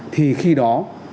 thì khi đó